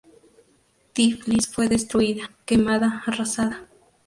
Tiflis fue destruida, quemada, arrasada.